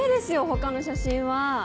他の写真は。